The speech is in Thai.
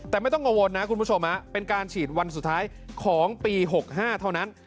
แต่ไม่ต้องกังวลนะคุณผู้ชมเป็นการฉีดวันสุดท้ายของปี๖๕เท่านั้น